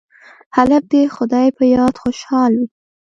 هلک د خدای په یاد خوشحاله وي.